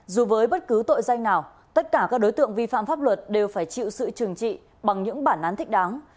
dù với bất cứ tội danh nào tất cả các đối tượng vi phạm pháp luật đều phải chịu sự trừng trị bằng những bản án thích đáng